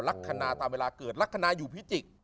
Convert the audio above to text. ลักษณะตามเวลาเกิดลักษณะอยู่พิจิกษ